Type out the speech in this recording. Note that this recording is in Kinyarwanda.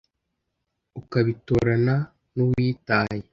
ukabitorana n'uwitaye.